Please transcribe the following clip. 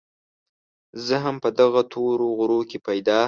زه هم په دغه تورو غرو کې پيدا